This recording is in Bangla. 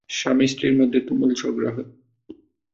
স্বামী-স্ত্রীর মধ্যে তুমুল ঝগড়া হয়।